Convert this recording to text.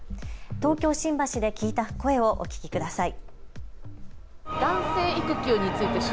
東京新橋で聞いた声をお聞きください。